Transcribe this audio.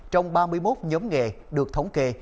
trong ba mươi một nhóm nghề được thống kê